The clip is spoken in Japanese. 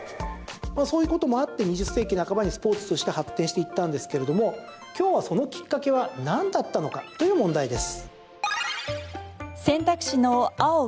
そういうこともあって２０世紀半ばにスポーツとして発展していったんですけれども今日は、そのきっかけはなんだったのかという問題です。